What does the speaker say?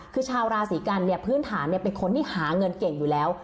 คือชาวราศีกันเนี่ยพื้นฐานเป็นคนที่หาเงินเก่งอยู่แล้ว